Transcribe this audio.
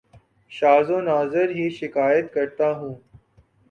شاز و ناذر ہی شکایت کرتا ہوں